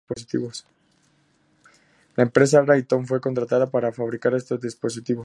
La empresa Raytheon fue contratada para fabricar estos dispositivos.